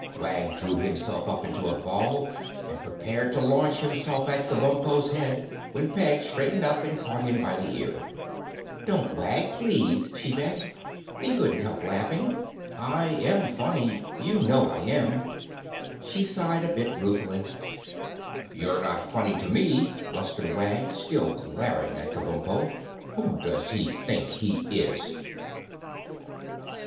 Wag drew himself up into a ball and prepared to launch himself at Kabumpo's head, when Peg straightened up and caught him by the ear. "Don't, Wag, please," she begged. "He couldn't help laughing. I am funny. You know I am!" she sighed a bit ruefully. "You're not funny to me," blustered Wag, still glaring at Kabumpo. "Who does he think he is?"